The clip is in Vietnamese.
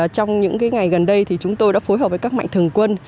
trong những ngày gần đây chúng tôi đã phối hợp với các mạnh thường quân